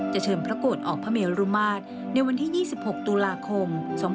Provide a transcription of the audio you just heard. เชิญพระโกรธออกพระเมรุมาตรในวันที่๒๖ตุลาคม๒๕๖๒